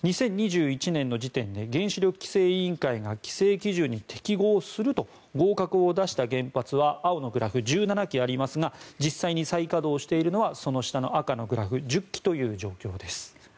２０２１年の時点で原子力規制委員会が規制基準に適合すると合格を出した原発は青のグラフ、１７基ありますが実際に再稼働しているのはその下の赤のグラフ１０基という状況です。